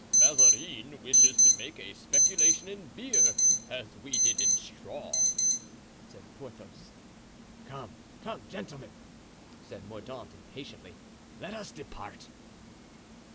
"Perhaps Mazarin wishes to make a speculation in beer, as we did in straw," said Porthos. "Come, come, gentlemen," said Mordaunt, impatiently, "let us depart."